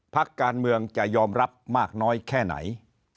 พักการเมืองจะยอมรับมากน้อยแค่ไหน